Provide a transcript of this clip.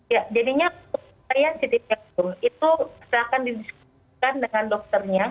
ya jadinya untuk pasien city value itu silakan didiskutikan dengan dokternya